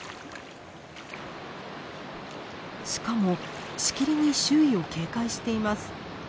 しかもしきりに周囲を警戒しています。